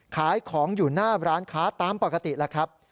ขายของอยู่หน้าร้านค้าตามปกติแล้วครับ